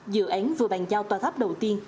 dự án vừa bàn giao tòa tháp đầu tiên